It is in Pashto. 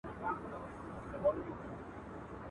خدای بېشکه مهربان او نګهبان دی !.